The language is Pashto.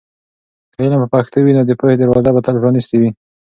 که علم په پښتو وي، نو د پوهې دروازې به تل پرانیستې وي.